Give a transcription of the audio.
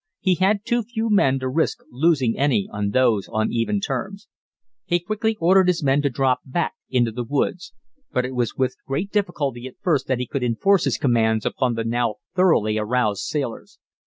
He had too few men to risk losing any on those uneven terms. He quickly ordered his men to drop back into the woods. But it was with great difficulty at first that he could inforce his commands upon the now thoroughly aroused sailors.